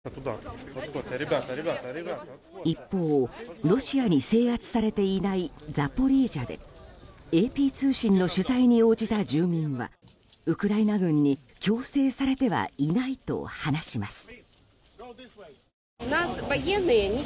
一方、ロシアに制圧されていないザポリージャでＡＰ通信の取材に応じた住民はウクライナ軍に強制されてはいないと話します。